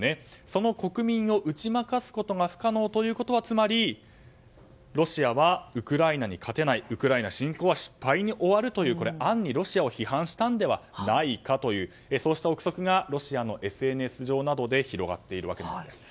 その国民を打ち負かすことが不可能ということは、つまりロシアはウクライナに勝てないウクライナ侵攻は失敗に終わるという暗にロシアを批判したのではないかというそうした憶測がロシアのＳＮＳ上で広がっているんです。